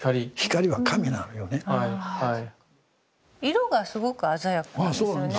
色がすごく鮮やかなんですよね。